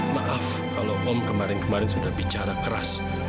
maaf kalau om kemarin kemarin sudah bicara keras